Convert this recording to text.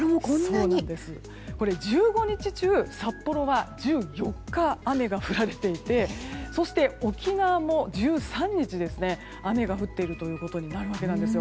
これ、１５日中札幌は１４日雨が降られていてそして沖縄も１３日、雨が降っていることになるわけです。